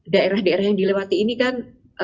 daerah daerah yang dilewati ini kan